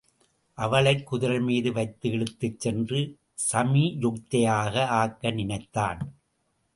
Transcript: அவளைக் குதிரைமீது வைத்து இழுத்துச் சென்று சமியுக்தையாக ஆக்க நினைத்தான்.